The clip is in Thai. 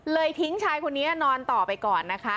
ทิ้งชายคนนี้นอนต่อไปก่อนนะคะ